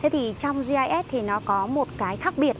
trong gis thì nó có một cái khác biệt